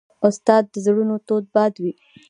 استاد د زړونو تود باد وي.